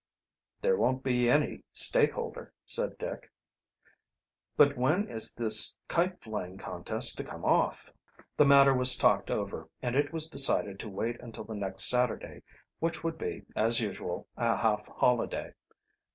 "There won't be any stakeholder," said Dick. "But when is this kite flying contest to come off?" The matter was talked over, and it was decided to wait until the next Saturday, which would be, as usual, a half holiday.